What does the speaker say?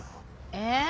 えっ？